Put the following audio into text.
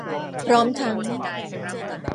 พร้อมทั้ง